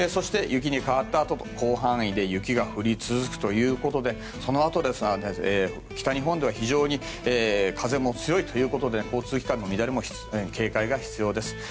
雪に変わったあと広範囲で雪が降り続くということでそのあと、北日本では非常に風も強いということで交通機関の乱れも警戒が必要です。